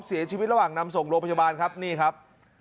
เสียชีวิตระหว่างนำส่งโรงพยาบาลครับนี่ครับ